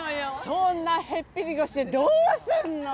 そんなへっぴり腰でどうすんの！